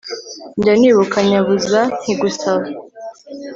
njya nibuka nyabuza nkigusaba